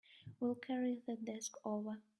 We'll carry the desk over.